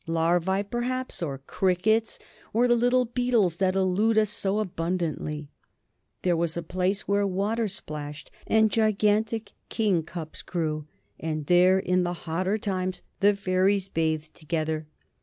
Larvae, perhaps, or crickets, or the little beetles that elude us so abundantly. There was a place where water splashed and gigantic king cups grew, and there in the hotter times the fairies bathed together.